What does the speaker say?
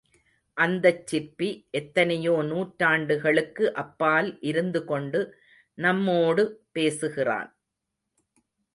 அந்தச் சிற்பி எத்தனையோ நூற்றாண்டுகளுக்கு அப்பால் இருந்து கொண்டு நம்மோடு பேசுகிறான்.